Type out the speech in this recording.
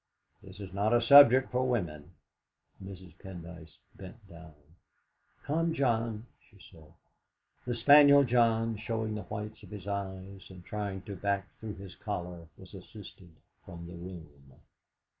"This is not a subject for women." Mrs. Pendyce bent down. "Come, John," she said. The spaniel John, showing the whites of his eyes, and trying to back through his collar, was assisted from the room.